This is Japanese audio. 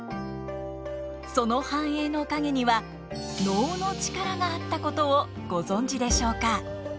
その繁栄の陰には能の力があったことをご存じでしょうか？